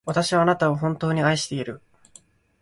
私はあなたを、本当に愛している。